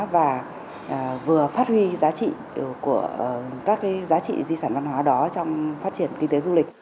và vừa phát huy giá trị của các giá trị di sản văn hóa đó trong phát triển kinh tế du lịch